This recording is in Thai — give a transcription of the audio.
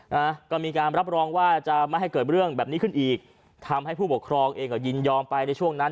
นะฮะก็มีการรับรองว่าจะไม่ให้เกิดเรื่องแบบนี้ขึ้นอีกทำให้ผู้ปกครองเองก็ยินยอมไปในช่วงนั้น